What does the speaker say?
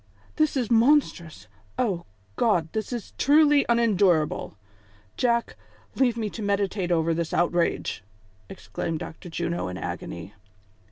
"This is monstrous ! O God ! this is truly unendurable ! Jack, leave me to meditate over this outrage," exclaimed Dr. Juno in agony.